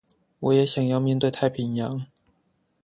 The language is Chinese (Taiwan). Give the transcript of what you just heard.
我也想要面對太平洋